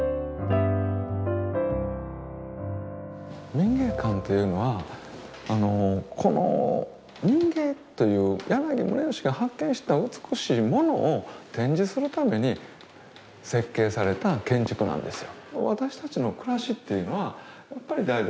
民藝館というのはこの民藝という柳宗悦が発見した美しいものを展示するために設計された建築なんですよ。